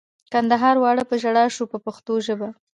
کندهار واړه په ژړا شو په پښتو ژبه.